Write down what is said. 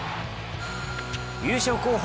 優勝候補